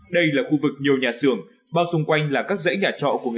đây là khu vực nhiều nhà xưởng bao xung quanh là các dãy nhà trọ của người